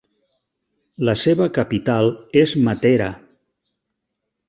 La seva capital és Matera.